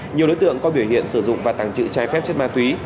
nhiều đối tượng có biểu hiện sử dụng và tàng trữ trái phép chất ma túy